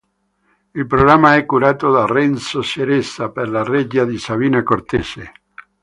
Il programma è curato da Renzo Ceresa per la regia di Sabina Cortese.